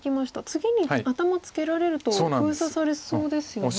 次に頭ツケられると封鎖されそうですよね。